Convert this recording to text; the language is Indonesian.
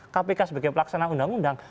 kpk sebagai pelaksana undang undang